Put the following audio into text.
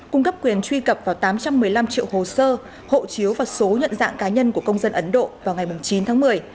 cung cấp quyền truy cập vào tám trăm một mươi năm triệu hồ sơ hộ chiếu và số nhận dạng cá nhân của công dân ấn độ vào ngày chín tháng một mươi